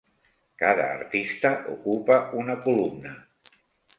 Cada artista ocupa una columna.